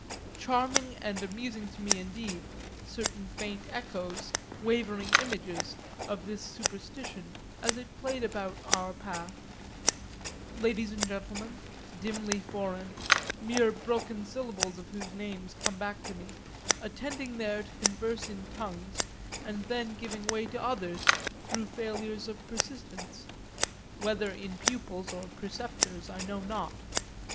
Charming and amusing to me indeed certain faint echoes, wavering images, of this superstition as it played about our path: ladies and gentlemen, dimly foreign, mere broken syllables of whose names come back to me, attending there to converse in tongues and then giving way to others through failures of persistence whether in pupils or preceptors I know not.